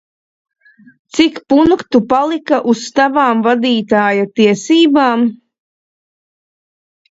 Cik punktu palika uz tavām vadītāja tiesībām?